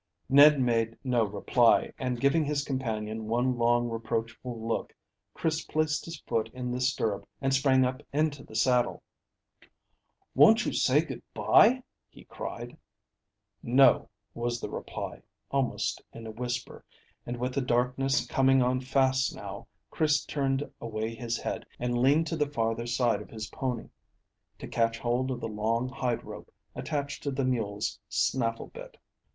Ned made no reply, and giving his companion one long reproachful look, Chris placed his foot in the stirrup and sprang up into the saddle. "Won't you say good bye?" he cried. "No," was the reply, almost in a whisper, and with the darkness coming on fast now Chris turned away his head and leaned to the farther side of his pony, to catch hold of the long hide rope attached to the mule's snaffle bit.